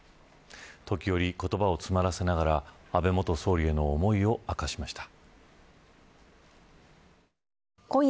時折、言葉を詰まらせながら安倍元総理への思いを明かしました。